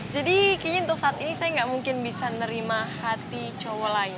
jadi kayaknya untuk saat ini saya nggak mungkin bisa nerima hati cowok lain